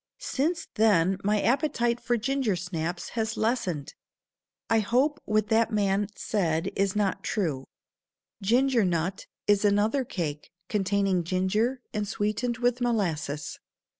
Since then my appetite for gingersnaps has lessened. I hope what that man said is not true. Gingernut is another cake containing ginger and sweetened with molasses.